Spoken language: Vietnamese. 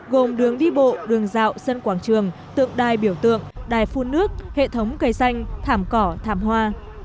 gồm đường đi bộ đường dạo sân quảng trường tượng đai biểu tượng đài phun nước hệ thống cây xanh thảm cỏ thảm hoa